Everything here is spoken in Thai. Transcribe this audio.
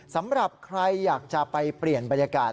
สำหรับใครอยากจะไปเปลี่ยนบรรยากาศ